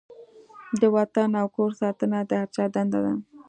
د وطن او کور ساتنه د هر چا دنده ده.